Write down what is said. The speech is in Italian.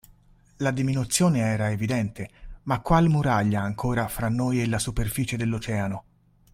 La diminuzione era evidente, ma qual muraglia ancora fra noi e la superficie dell’Oceano!